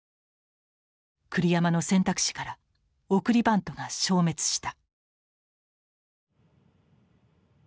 栗山の選択肢から送りバントが消滅した。